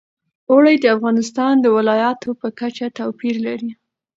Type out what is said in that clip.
اوړي د افغانستان د ولایاتو په کچه توپیر لري.